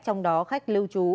trong đó khách lưu trú